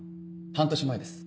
半年前です。